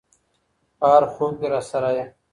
په هر خوب کي راسره یې